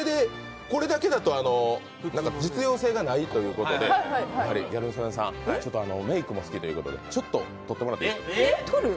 これだけだと実用性がないということでギャル曽根さんメークも好きということでちょっと取ってもらっていいですか？